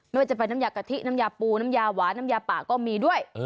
ไม่ว่าจะเป็นน้ำยากะทิน้ำยาปูน้ำยาหวานน้ำยาป่าก็มีด้วย